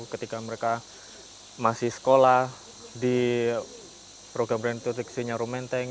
ketika mereka masih sekolah di program rentoteksinya rumenteng